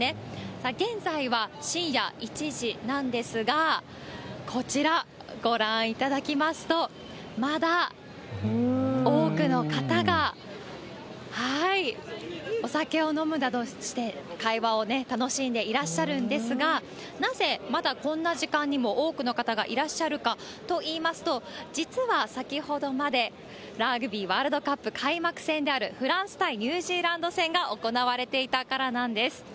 さあ、現在は深夜１時なんですが、こちらご覧いただきますと、まだ多くの方がお酒を飲むなどして、会話を楽しんでいらっしゃるんですが、なぜまだこんな時間にも多くの方がいらっしゃるかといいますと、実は先ほどまでラグビーワールドカップ開幕戦であるフランス対ニュージーランド戦が行われていたからなんです。